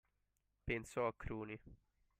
Pensò a Cruni.